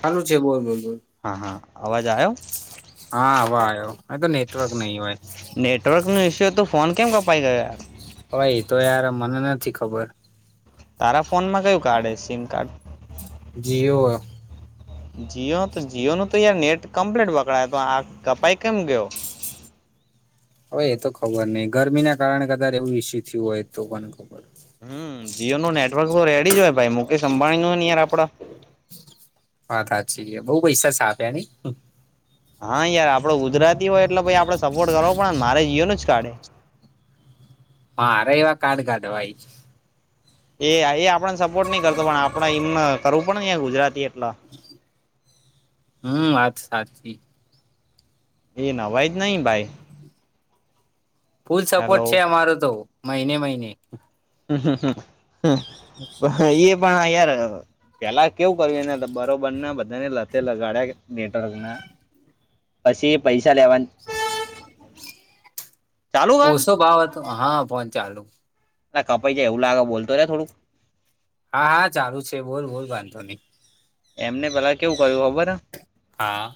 ચાલુ છે બોલ બોલ બોલ હા હા આવાજ આવ હા હ આવ્યો તો નેટવર્ક નહી હોય નેટવર્કનુંઇ્ય હત તો ફોન કેમ કપાઈ ગયો હ એ તો યાર મને નથી ખબર તારા ફોનમાં કયું કાર્ડ હ સિમ કાર્ડ જઓ જીઓ તો જીઓ ન તો યાર નેટ કમ્પ્લીટ વકરાાય તો આ કપાઈ કેમ ગયો હવે એ તો ખબર નહ ગરમી ના કારણે કદર એવું ઈ્યુ થયું હોય તો પણ ખબર હમ જીઓ નું નેટવર્ક તો રેડી જ હોય, ભાઈ મુકેશ અંબાણી નું યાર આપડા હા સાચી બઉ પૈસા છ આપ્યાની હા યાર આપડો ગુજરાતી હોય એટલેાઈ આપડે સપોર્ટ કરવો પણને મારે જઈએનું જ કાઢે હા અરે એવા કાડ કાઢ ભાઈ એ એ આપડને સપોર્ટ નઈ કરતો પણ આપડે એમ કરવું પડ ગુજરાતી એટલે હમ વાત સાચી એ નવાય જ નહીિ ભાઈ ફૂલ હેલો સપોર્ટ છે અમારો તો મહિને મહિને હમ હમ હ એ પણ યાર પેલા કેવું કર્યું એના બરોબર ના બધાને લતે લગાડ્યા નેટવર્ક ના પછી એ પૈસા લેવાની ચાલુ કર ઓછો ભાવ હતો હા ફોન ચાલુ ના કપાઈ છે એવું લાગે બોતો ને થોડું હા હા ચાલુ છે બોલ બોલ વાંધો નહીિ એમને ભેલા કેવું કર્યું ખબર હા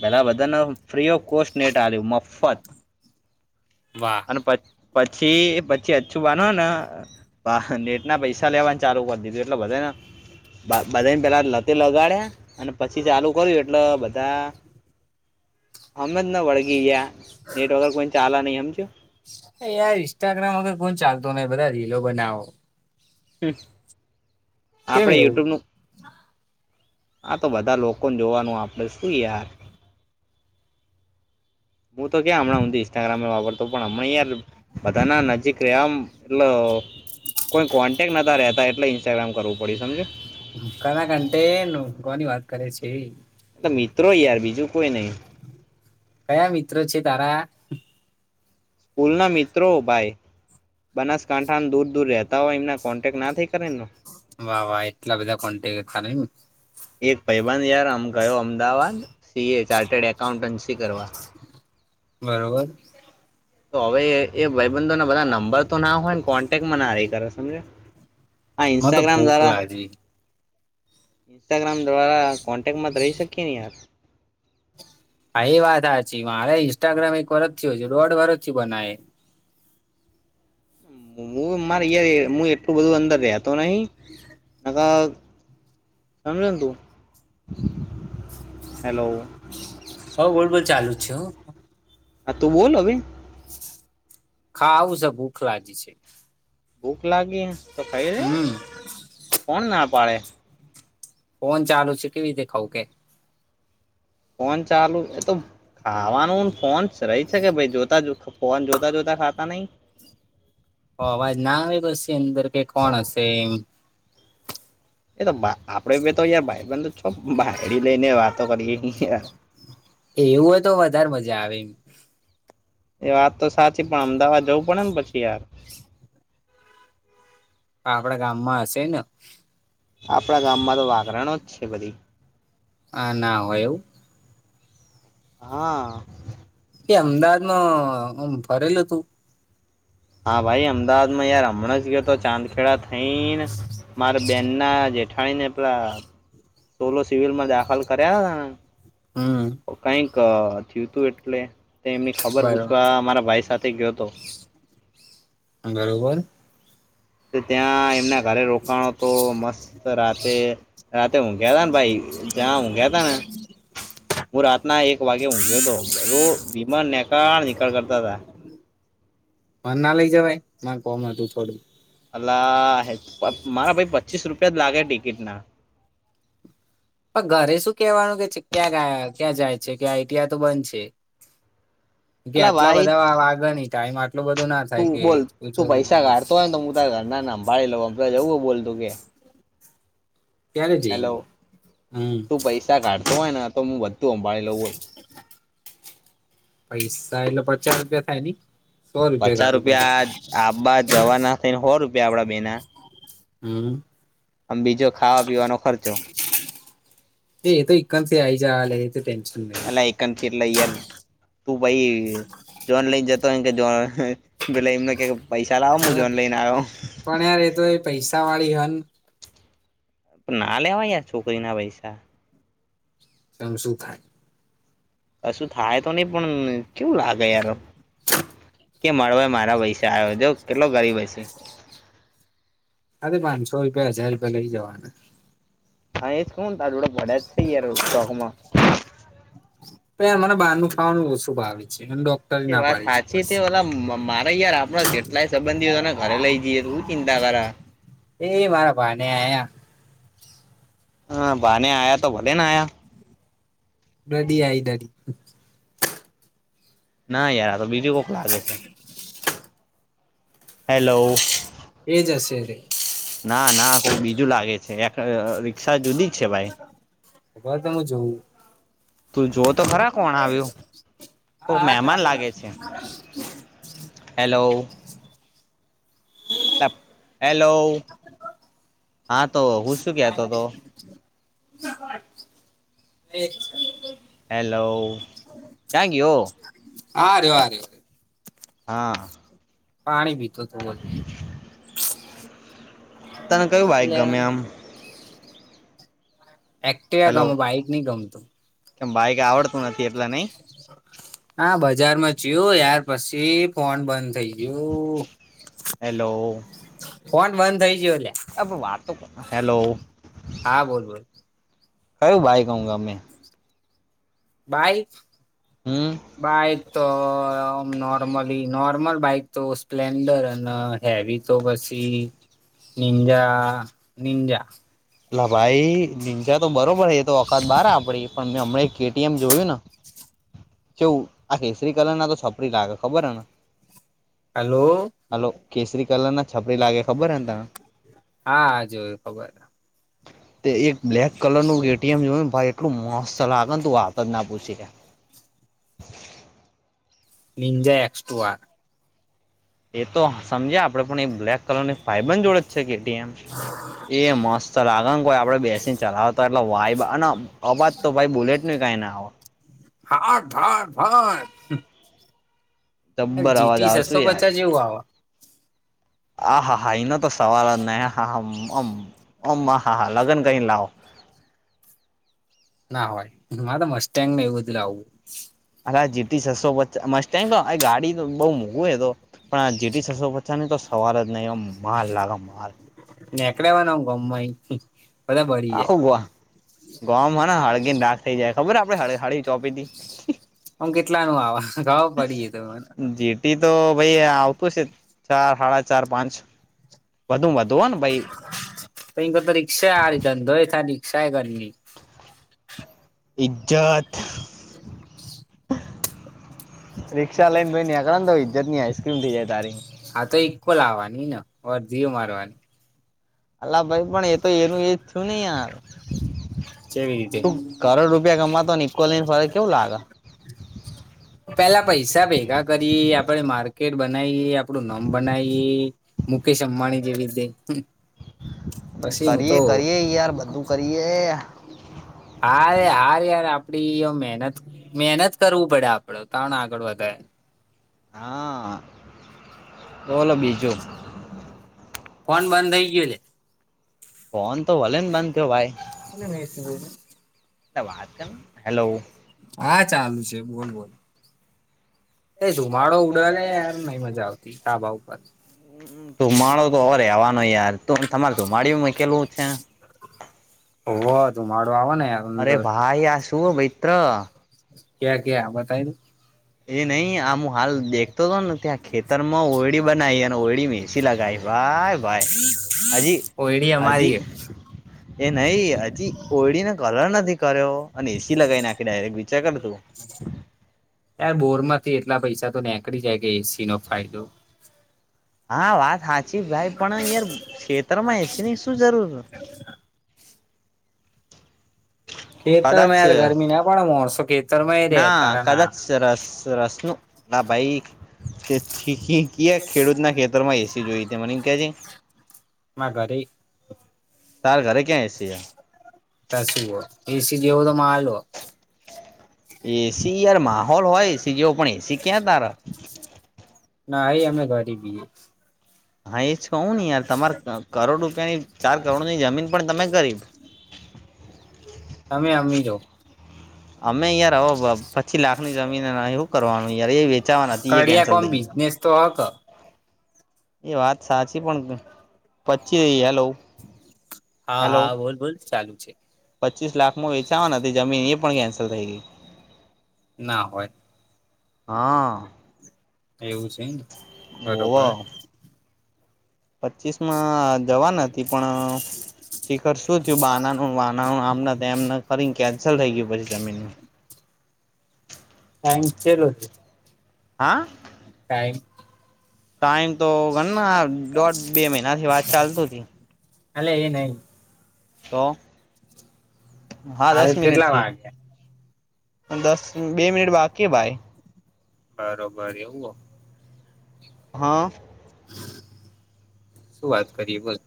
પેલા બધાને ફ્રી ઓફ કોસ્ટ નેટ આ્યું મફત વાહ પછી પછી અછું બાંધ ને ના પૈસા લેવા ચાલુ કર દીધ એટલે બધાને બધાને પેલા લતે લગાડ્યા અને પછી ચાલુ કર્યું એટલેધા તા અમેજ ન વળગીગ્યા નેટ વગર કોઈ ને ચાલે નહી એમ કેમ. એ યાર ઇન્સ્ટાગ્રામ વગર કોઇને ચાલતો નઈ બધા રીલો બનાવે. હ કેમ આપણે એવું યુટ્યુબનું આ તો બધા લોકોને જોવાનું આપણે શું યાર હું તો્યાં હમણાં હ ઇન્સ્ટાગ્રામમે વાપરતો પણ હમણાં યાર બધા ના નજીક રમ એટલે કોઈ કોન્ટેક્ટ નતા રહેતા એટલે ઇન્સ્ટાગ્રામ કરવું પડે સમજે કના ઘંટેે ઘની વાત કરે છે એ મિત્રો યાર બીજું કોઈ નહી કયા મિત્રો છે તારા પૂલ ના મિત્રો ભાઈ બનાસકાંઠા દૂર દૂર રહેતા હોય એમને કોન્ટેક ના થઈ કરે એ વાહ વાહ એટલા બધા કોન્ટ ખમ એક ભાઈબંધ યાર આમ ગયો Ahmedabad C A, chartered accountancy કરવા. બરોબર. તો હવે એ ભાઈબંધોને બધા નંબર તો ના હોય ને કોન્ટેક્ટમાં ના રહી સમજ્યા. હા મને તો ઇસ્ટાગ્રામ ભૂખ દ્વારા. લાગી ઇન્સ્ટાગ્રામ દ્વારા કોન્ટેક્ટમાં તો રહી શકીએ ને યાર. હા એ વાત સાચી મારે ઇન્સ્ટાગ્રામ એક વરહ જ થ્યું હજી દોઢ વરહ થ્યું બનાવી. હું મારે યાર એ હું એટલું બધું અંદર [unintelligible] તો નહી [inaudible] હેલો. હવ બોલ બોલ ચાલુ જ છે હો આ તું બોલ હવે. ખાવું સે ભૂખ લાગી સે. ભૂખ લાગી હે તો ખઈ લે હમ કોણ ના પાડે. ફોન ચાલુ છે કેવી રીતે ખ‌ઉ કે. ફોન ચાલુ એ તો ખાવાનું ને ફોન રહી શકે ભઈ જોતા જોતા. ફોન જોતા જોતા ખાતા નહી. અવાજ ના આવે પસી અંદર કે કોણ હશે એમ. એ તો બા આપડે બે તો યાર ભાઈબંધ જ છો, બાયરી લઈને વાતો કરીએ [unintelligible] એવું હોય તો વધારે મજા આવે એમ. એ વાત તો સાચી પણ અમદાવાદ જવું પડે ને પછી યાર. આપડા ગામમાં હશે ને. આપણા ગામમાં તો વાઘરણો જ છે બધી. આ ના હોય એવું? હા. એ અમદાવાદમાં ઓમ ફરેલો તું. હા ભાઈ અમદાવાદ માં યાર હમણાં જ ગયો તો ચાંદખેડા થઈ ને. મારા બેન ના જેઠાણીને પેલા સોલો સિવિલ માં દાખલ કર્યા હતા. હમ્મ. કઈક થીયું તું એટલે તે એમની ખબર બરોબર પૂછવા મારા ભાઈ સાથે ગયો તો. બરોબર. તો ત્યાં એમના ઘરે રોકાણો તો મસ્ત રાતે. રાતે ઊંઘ્યાતા ને ભાઈ જ્યાં ઊંઘ્યાતા ને. હું રાતના એક વાગે ઊંઘ્યો હતો તો વીમાન નિકળ નીકળ કરતા તા. મને ના લઈ જવાય મને કોમ હતું થોડું. અલા [inaudible] મારા પાઈ પચીસ રૂપિયા જ લાગે હે ટિકિટ ના પણ ઘરે શું કેવાનું કે ચી ક્યાં ગયા, ક્યાં જાય છે, કે આ આઈટીઆ તો બંધ છે. કે અલા આટલા ભાઈ બધા વાગે ની ટાઈમ આટલો બધો ના. થાય તું કે બોલ. તું પૈસા કાઢતો હોયને. તો હું ત ઘરનાને સંભાળી લઉ જવું. બોલ તું કે. ક્યારે હેલો. જઈએ હમ તું પૈસા કાઢતો હોય ને, તો હું બધું સંંભાળી લઉં હોને. પૈસા એટલે પચાસ રૂપિયા થાય ને? પચાસ રૂપિયા આપ બા જવાના થઈ ને સો રૂપિયા આપડા બેના. હમ્મ. આમ બીજો. ખાવા પીવાનો ખર્ચો એ તો થી આઈ જ [inaudible] લ તો ટેન્શન નહી કેટલે યાર [inaudible] તું ભાઈ જોન લઈ જતો હોય જો પેલા એમને. પૈસા લાવો મુ જોન લઈને આયો. પણ યાર એ તો એ પૈસા વાળી હન. પણ ના લેવાય યાર છોકરી ના પૈસા. એમ શું થાય. કશું થાય તો નહીં પણ કેવું લાગે યાર. કે મળવાય મારા પૈસે આયો જો કેટલો ગરીબ હયશે. અરે પાચસો રૂપિયા, હજાર રૂપિયા લઈ જવાનું. હા! એ શન તડા ભરા જ છેયાર શોખ માં. પ મને બહારનું ખાવાનું ઓછું ભાવે છે. એ ડોક્ટરી એ ના વાત પાડી છે. સાચી બસ તે ઓલા મારે યાર આપણા કેટલાય સંબંધીઓને ઘરે લઈ જઈએ. તોું ચિંતા કરા. એ મારા પાને આ. હા! બાહને આયા તો, ભલેે ના આયા. ગડી આઈ દડી. ના યાર. તો બીજું કોક લાગે છે. હેલો. એજ હશે રે ના ના કો બીજું લાગે છે. એક રિક્ષા જુદી જ છે ભાઈ. બર તો હું જોઉું. તું જોવ તો ખરા કોણ આવ્યું? હા કોક હા! મહેમાન ચાલુ. લાગે છે હેલો. હેલો. હા! તો હું શું કહતો હતો? [inaudible] હેલો. ક્યાં ગયો? હા રહ્યો. હા! પાણી પીતો હતો બ. તને કયું બાઇક ગમે આમ? એક્ટિવ ગમે. બાઈક નહી ગમતું. કે બાઈકા આવડતું નથી. એલા નહી? હા! બજારમાં જયું યાર. પછી ફોન બંધ થઇ ગયું. હેલો. ફોન બંધ થઈ ગયો એટલે. અ વાત તો. હેલો. હા! બોલ બોલ. કયું બાઈક તને ગમે? ભાઈ. હમ! બાઈક તો, આમ નોર્મલી નોર્મલ બાઈક તો સ્પ્લેન્ડર અને. હેવી તો પસી નિંજા નિંજા. લ ભાઈ. લીંચા તો બરોબર હ. એ તો ઔકાત બારહ આપડી પણ. મેં હમણા કેટીએમ જોયું ને. કેવું? આ કેસરી કલર ના તો, છપરી લાગે. ખબર હને? હલો. હલો. કેસરી કલર ના છપરી લાગે. ખબર હને તને? હા, હ જોયું ખબર તે એક બ્લેક કલર ન એટીએમ જોયું ને ભાઈ. એટલું મસ્ત લાગે ને, તું વાતો જ ના પૂછી લે. નિંજે એસ્ટ ટુઆ. એ તો સમજ્યા આપડે પણ. એ બ્લેક કલરની ફાઈબ જોડે જ છે કે એમ. એ મસ્ત લાગે ને. કોઈ આપડે બેસીને ચલાવતા, એટલે વાયબ અને અબ. તો ભાઈ બુલેટ ન કઈ ના હો. [unintelligible] જબ્બર અવાજ જીટી આવે શું છસો યાર પચાસ જેવું આવ. આ હા હા. એનો તો સવાલ જ નહી. હમમહા હા લગ્ન કઈ લાવો. ના હોય. મારે તો મસ્ેંગ એવું બધું લાવવું. અ જીતી છસો. મસ્ત ટાઈમ, ગાડી તો બહુ મોઘું એ તો. પણ આ જેટી સસો પછા નની તો સવાર જ નહી એ માલ લાગે માલ, નેકળેવાના ગમમા આખું ગોવા ગોવામાં ને હળગીને દાક થઈ જાય ખબર આપણે હળ હળી ચોપી હતી. ઓમ કેટલા નુ આવ ખબર પડી એ તો મને. ઈતો ભઈ આવતું છે ચાર સાડા ચાર પાંચ વધુ વધુ હોય ને ભઈ. [unintelligible] તો રિક્ષા આર ધંધોય થ ને રિક્ષા એ ઘરીની. ઇજ્જત. [inaudible] રીક્ષા લઈને ભઈ નેકળેને તો ઈજ્જત નીઈસ્ક્રીમ થઇ જાય તારી, હા, તો ઈક્કો લાવવાની ને વરધીઓ મારવાની, અલ્લાહ ભાઈ પણ એ તો એનું એજ થયું ને યાર કેવી રીતે તું કરોડ રૂપિયા કમાતોને ઈકો લઈને ફરે કેવું લાગે, પેલા પૈસા ભેગા કરીએ આપણેે માર્કેટ બનાવીએ, આપડું નોમ બનાવી મુકેશ અંબાણી જેવી રીતે પછી હું કરીએ તો કરીયે યાર બધું કરીએ, હા, હાર યાર આપડી મહેનત મહેનત કરવું પડે આપ. તણ આગળ વધે. હા, બોલો બીજું? ફોન બંધ થઈ ગયો છે, ફોન તો ભલે ને બંધ થયો ભાઈ, [unintelligible] વાત કર ને હેલો, હા ચાલુ છે, બોલ બોલ એ ધુમાડો ઉડેને નહી મજા આવતી ધાબા ઉપર ધુમાડો તો હો રવાનો યાર ત તમારે ધુમાડી મુકેલું છે, હોવ ધુમાડો આવે ને અરે અંદર ભાઈ આ શું હો મિત્ર ક્યાં ક્યા બતાય એ નહ આમું હાલ દેખતો હતો ને ત્યાં ખેતર માં ઓરડી બનાવી અને ઓરડી મેસી લગાઈ ભાય ભાય અજી ઓયડી હજી અમારી હે. એ નહી હજી ઓયળીને કલર નથી કર્યો અને એસી લગાવી નાખી ડાયરેક્ટ વિચાર કર તું, યે બોર માંથી એટલા પૈસા તો નીકળી જાય કે એસી નો ફાયદો આ વાત સાચી ભાઈ પણ યાર ષેતર માં એસીની શું જરૂર કદાચ ખેતરમે યાર ગરમી ના પણ મોણશો કે ના કદાચ [unintelligible] ભાઈ [unintelligible] ખેડૂત ના ખેતરમાં એસી જોઈછે મને કે જે ને મા ઘરે તાર ઘરે ક્યાં એસી પાસું હો એસી એવું તો જેવો તો માલ હો એ. સી યાર માહોલ હોય જેવો પણ એ. સી ક્યાં સારા ના એ અમે કરી તી હા, એ જ કહું ને યાર તમારે કરોડ રૂપિયાની ચાર કરોડની જમીન પણ તમે કરી, તમે અમી જ અમે યાર હવે પ્પચી લાખની જમીન અને હુ કરવાનું યાર એ વેચાવાની હતી એ કડિયા કેન્સલ કોમ થઈ. બિઝનેસ તો આકા એ વાત સાચી પણ પછી, હેલો હા હેલો હા બોલ બોલ ચાલુ છે પચીસ લાખમાં વેચાવાની હતી જમીન એ પણ કેન્સલ થઈ ગઈ, ના હોય હ એવું છે, બરોબર પચીસ માં દેવા નથી પણ શીખર શું થયું બાનાનું વાનાનું આમના તેમ કરીને કેન્સલ થઈ ગયું પછી જમીનનું, [inaudible] ટાઈમ ચેટલો થ્યો હા કાઈ ટાઈમ તો ઘણના દોઢ બે મહિનાથી વાત ચાલતી તી હાલે એ નહી તો હા હાલ દસ મિનિટ કેટલા થી વાગ્યા દસ બે મિનિટ બાકી હે ભાઈ બરોબર એવું હો હા શું વાત કરીએ બોલ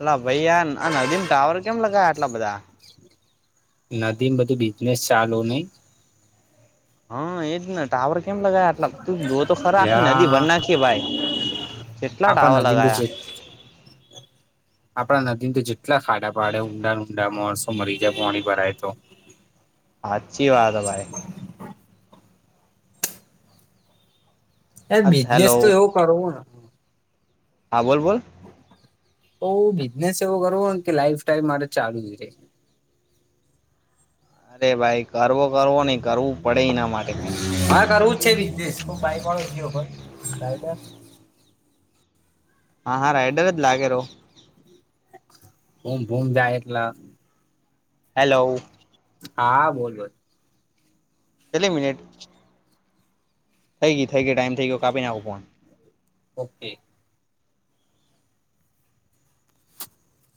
અલા ભઈ આ આ નદી ટાવર કેમ લગાયા આટલા બધા નદી બધું બિઝનેસ ચાલુ નહી હ એજને ટાવર કેમ લગાવ આટલા તું જો તો ખરા આખી નદી લ્યા વન નાકેવાય કેટલા ટાવર આપણા નદીમ લગાયા [inaudible] આપડા નદી તો જેટલા ખાડા પાડે ઊંડા ઊંડા માણસો મરી જાય પોણી ભરાય તો હાચી વાત હે ભાઈ એ બિઝનેસ હેલો તો એવું કરવું ન હા બોલ બોલ તો બિઝનેસ એવો કરવો કે લાઈફ ટાઈમ મારે ચાલુ જ રે અરે ભાઈ કરવો કરવો નઈ કરવું પડે એના માટે હા કરવુંજ છે બિઝનેસ હ બાઈક વાળો જયો બર રાઈડર હા હા રાઇડર જ લાગે રો ભુમ ભુમ જા એટલા હેલો હા બોલ બોલ કેટલી મિનિટ કઈ નઈ થઈ ગ્યો ટાઈમ થઈ ગયો કાપી નાખો ફોન ઓકે